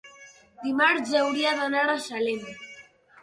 Dimarts hauria d'anar a Salem.